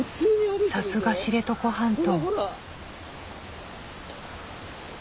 さすが知床半島。